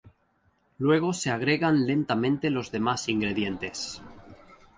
Luego se agregan lentamente los demás ingredientes.